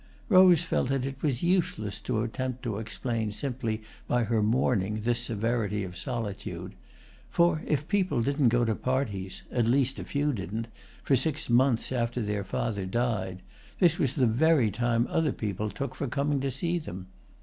Rose felt that it was useless to attempt to explain simply by her mourning this severity of solitude; for if people didn't go to parties (at least a few didn't) for six months after their father died, this was the very time other people took for coming to see them.